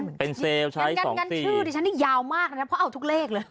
การการชื่อดิฉันนี่ยาวมากนะเพราะเอาทุกเลขเลย